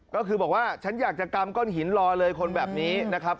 ก็คือบอกว่าฉันอยากจะกำก้อนหินรอเลยคนแบบนี้นะครับ